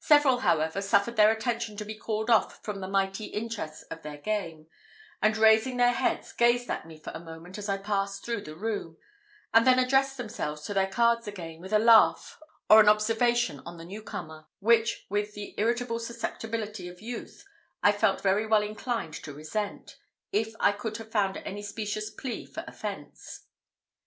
Several, however, suffered their attention to be called off from the mighty interests of their game, and raising their heads, gazed at me for a moment as I passed through the room; and then addressed themselves to their cards again, with a laugh or an observation on the new comer, which, with the irritable susceptibility of youth, I felt very well inclined to resent, if I could have found any specious plea for offence.